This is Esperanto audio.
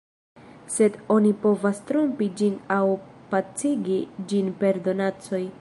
Sed oni povas trompi ĝin aŭ pacigi ĝin per donacoj.